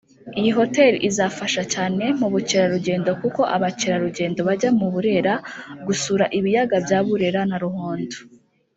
Iyi Hotel izafasha cyane mu bukerarugendo kuko abakerarugendo bajya muri Burera gusura ibiyaga bya Burera na Ruhondo